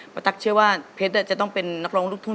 ตั๊กเชื่อว่าเพชรจะต้องเป็นนักร้องลูกทุ่ง